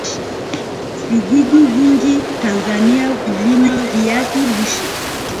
Vijiji vingi Tanzania hulima viazi lishe